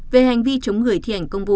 về hành vi chống người thi hành công vụ